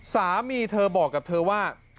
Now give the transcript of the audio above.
สามีเธอบอกกับเธอว่า